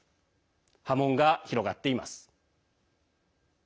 波紋が広がっています。